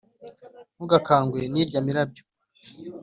ntugakangwe n' irya mirabyo,